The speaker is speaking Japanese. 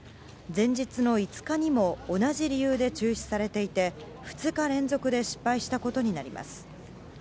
前日の５日にも同じ理由で中止されていて２日連続で失敗したことになります。